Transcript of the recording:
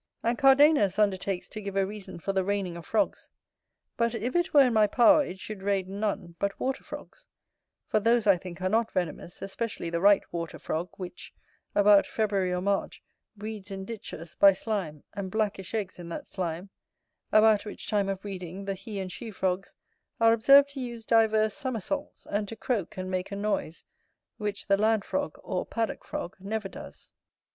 And Cardanus undertakes to give a reason for the raining of frogs: but if it were in my power, it should rain none but water frogs; for those I think are not venomous, especially the right water frog, which, about February or March, breeds in ditches, by slime, and blackish eggs in that slime: about which time of breeding, the he and she frogs are observed to use divers summersaults, and to croak and make a noise, which the land frog, or paddock frog, never does.